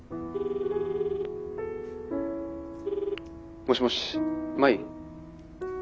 もしもし舞？